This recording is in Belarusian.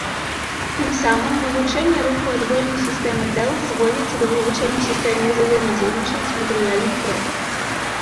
Тым самым вывучэнне руху адвольнай сістэмы тэл зводзіцца да вывучэння сістэмы ўзаемадзейнічаюць матэрыяльных кропак.